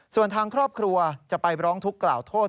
ส่วนทางครอบครัวจะไปร้องทุกข์กล่าวโทษ